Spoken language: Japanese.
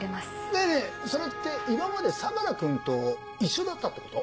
ねぇねぇそれって今まで相良君と一緒だったってこと？